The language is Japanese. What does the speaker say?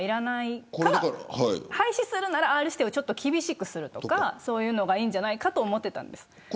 廃止するならＲ指定を厳しくするとかそういうのがいいんじゃないかと思ってました。